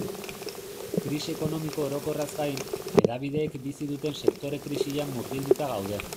Krisi ekonomiko orokorraz gain, hedabideek bizi duten sektore-krisian murgilduta gaude.